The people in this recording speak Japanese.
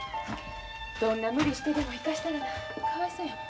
どんな無理してでも行かしたらなかわいそうやもん。